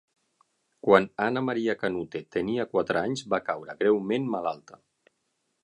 Quan Anna Maria Canute tenia quatre anys va caure greument malalta.